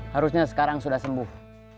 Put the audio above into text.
harusnya sekarang sudah sembuh